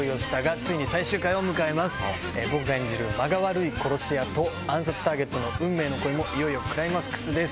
僕が演じる間が悪い殺し屋と暗殺ターゲットの運命の恋もいよいよクライマックスです。